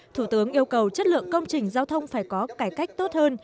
thủ tướng yêu cầu chất lượng công trình giao thông phải có cải cách tốt hơn